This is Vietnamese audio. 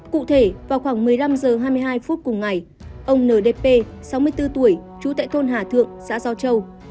cụ thể vào khoảng một mươi năm h hai mươi hai phút cùng ngày ông ndp sáu mươi bốn tuổi trú tại thôn hà thượng xã do châu